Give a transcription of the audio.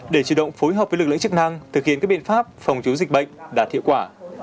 để chủ động phối hợp với lực lượng chức năng thực hiện các biện pháp phòng chống dịch bệnh đạt hiệu quả